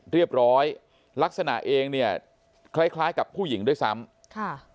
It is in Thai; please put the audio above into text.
เรียบร้อยลักษณะเองเนี่ยคล้ายคล้ายกับผู้หญิงด้วยซ้ำค่ะ